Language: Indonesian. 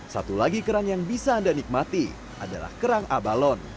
satu lagi kerang yang bisa anda nikmati adalah kerang abalon